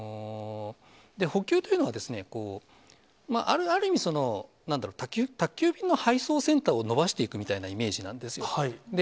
で、補給というのは、ある意味、なんだろう、宅急便の配送センターを延ばしていくみたいなイメージなんですよ。